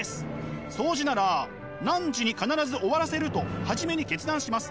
そうじなら「何時に必ず終わらせる」と初めに決断します。